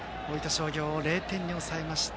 商業を０点に抑えました。